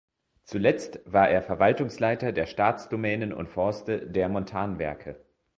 Zuletzt war er Verwaltungsleiter der Staatsdomänen und -forste und der Montanwerke.